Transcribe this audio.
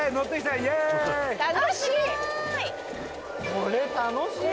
これ楽しい。